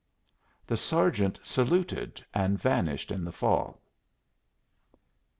The sergeant saluted and vanished in the fog. IV.